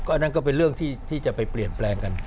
อันนั้นก็เป็นเรื่องที่จะไปเปลี่ยนแปลงกัน